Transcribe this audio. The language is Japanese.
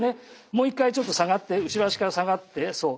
もう一回ちょっと下がって後ろ足から下がってそう。